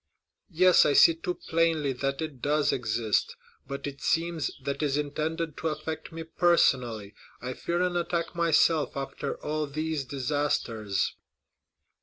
"Yes, I see too plainly that it does exist. But it seems that it is intended to affect me personally. I fear an attack myself, after all these disasters."